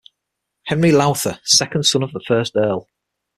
Henry Lowther, second son of the first Earl.